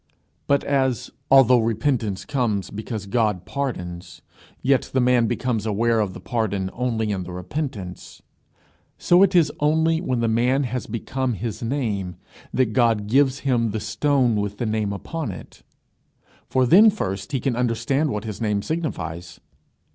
But as although repentance comes because God pardons yet the man becomes aware of the pardon only in the repentance; so it is only when the man has become his name that God gives him the stone with the name upon it, for then first can he understand what his name signifies.